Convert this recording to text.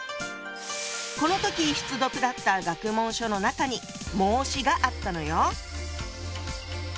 この時必読だった学問書の中に「孟子」があったのよ！